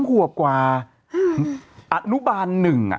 ๓ขวบกว่าอันุบาล๑อ่ะ